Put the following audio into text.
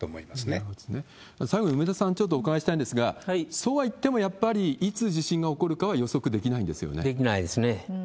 最後にちょっと梅田さんにちょっとお伺いしたいんですが、そうはいっても、やっぱりいつ地震が起こるかは予測でできないですね。